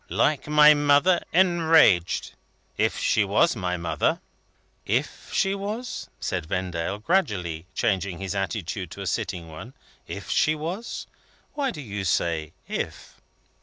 Like my mother enraged if she was my mother." "If she was?" said Vendale, gradually changing his attitude to a sitting one. "If she was? Why do you say 'if'?"